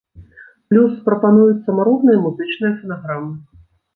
Плюс прапануюць самаробныя музычныя фанаграмы.